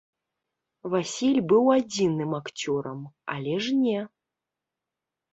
Васіль быў адзіным акцёрам, але ж не!